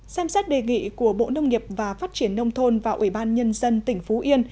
xem xét đề nghị của bộ nông nghiệp và phát triển nông thôn và ủy ban nhân dân tỉnh phú yên